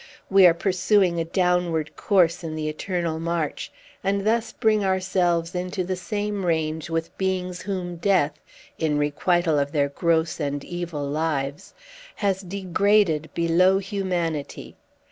We are pursuing a downward course in the eternal march, and thus bring ourselves into the same range with beings whom death, in requital of their gross and evil lives, has degraded below humanity!